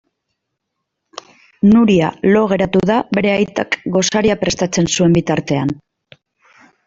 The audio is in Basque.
Nuria lo geratu da bere aitak gosaria prestatzen zuen bitartean.